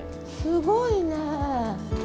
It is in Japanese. すごいね。